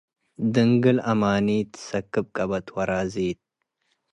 ድንግል አማኒት ትሰክብ ቀበት ወራዚት።